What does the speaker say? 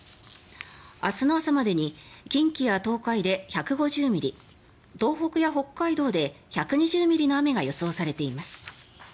明日の朝までに近畿や東海で１５０ミリ東北や北海道で１２０ミリの雨が予想されています。